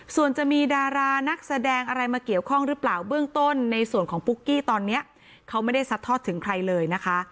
ส่วนจะมีดารานักแสดงอะไรมาเกี่ยวข้องหรือเปล่าเบื้องต้นในส่วนของปุ๊กกี้ตอนนี้เขาไม่ได้ซัดทอดถึงใครเลยนะคะ